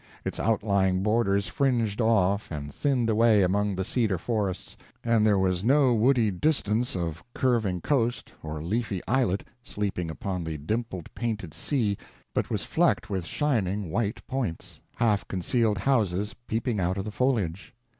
Its outlying borders fringed off and thinned away among the cedar forests, and there was no woody distance of curving coast or leafy islet sleeping upon the dimpled, painted sea, but was flecked with shining white points half concealed houses peeping out of the foliage.